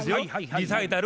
リサイタル？